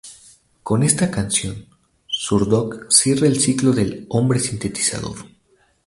Con esta canción Zurdok cierra el ciclo del "Hombre Sintetizador".